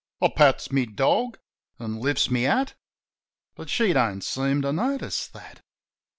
I pats my dog, an' Hfts my hat; But she don't seem to notice that.